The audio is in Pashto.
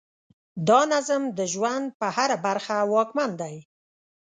دا نظم د ژوند په هره برخه واکمن دی.